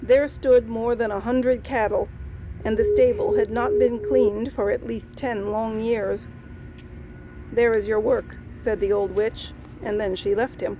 There stood more than a hundred cattle, and the stable had not been cleaned for at least ten long years. " There is your work," said the old witch, and then she left him.